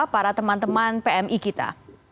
para teman teman pmi kita